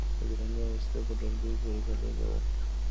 د درنې وسلې په ډلګۍ پورې تړلي و.